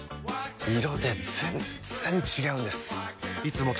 色で全然違うんです！